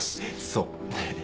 そう。